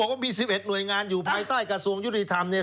ที่ผมต้องบอกว่ามี๑๑หน่วยงานอยู่ภายใต้กระทรวงยุติธรรมเนี่ย